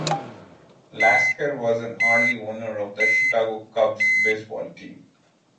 Lasker was an early owner of the Chicago Cubs baseball team.